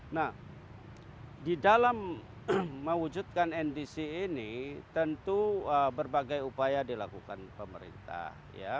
nah di dalam mewujudkan ndc ini tentu berbagai upaya dilakukan pemerintah